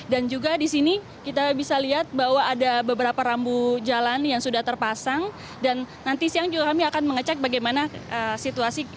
dan juga di sini kita bisa lihat bahwa ada beberapa rambu jalan yang sudah terpasang dan nanti siang juga kami akan mengecek bagaimana situasi